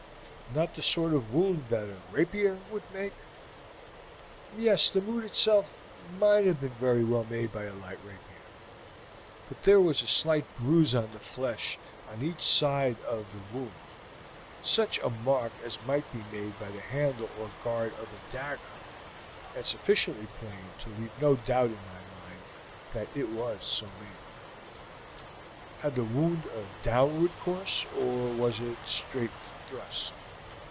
"Not the sort of wound that a rapier would make?" "Yes, the wound itself might have been very well made by a light rapier, but there was a slight bruise on the flesh on each side of the wound, such a mark as might be made by the handle or guard of a dagger, and sufficiently plain to leave no doubt in my mind that it was so made." "Had the wound a downward course, or was it a straight thrust?"